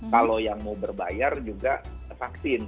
kalau yang mau berbayar juga vaksin